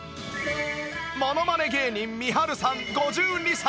ものまね芸人みはるさん５２歳